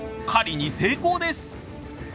狩りに成功です！